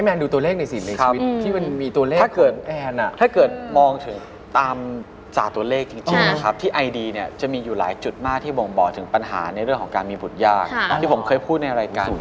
พูดในรายการไปเยอะนะครับ